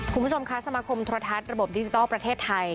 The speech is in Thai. คุณผู้ชมคะสมาคมโทรทัศน์ระบบดิจิทัลประเทศไทย